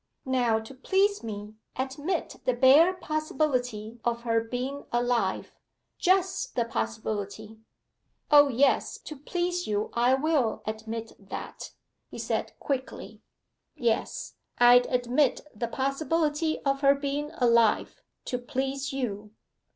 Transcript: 'Now to please me, admit the bare possibility of her being alive just the possibility.' 'O yes to please you I will admit that,' he said quickly. 'Yes, I admit the possibility of her being alive, to please you.